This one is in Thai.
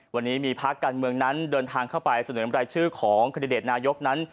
วันนี้มีภาคการเมืองนั้นเดินทางเข้าไปเสนอรายชื่อของคันดิเดตนายกนั้น